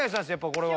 これは。